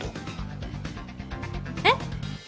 えっ？